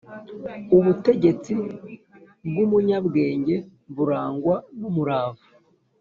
ubutegetsi bw’umunyabwenge burangwa n’umurava